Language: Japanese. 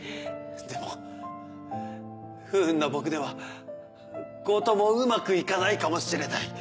でも不運な僕では強盗もうまく行かないかもしれない。